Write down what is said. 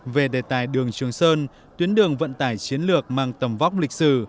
về đề tài đường trường sơn tuyến đường vận tải chiến lược mang tầm vóc lịch sử